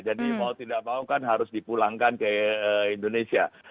jadi kalau tidak mau kan harus dipulangkan ke indonesia